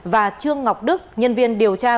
và trương ngọc đức nhân viên điều tra